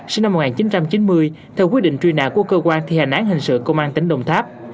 sinh năm một nghìn chín trăm chín mươi theo quyết định truy nã của cơ quan thi hành án hình sự công an tỉnh đồng tháp